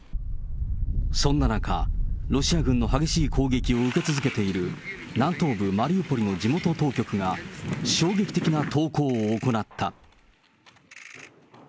そんな中、ロシア軍の激しい攻撃を受け続けている、南東部マリウポリの地元当局が、衝撃的な投稿を行った。